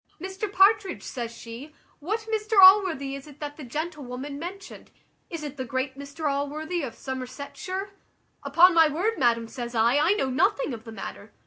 `Mr Partridge,' says she, `what Mr Allworthy is it that the gentlewoman mentioned? is it the great Mr Allworthy of Somersetshire?' `Upon my word, madam,' says I, `I know nothing of the matter.'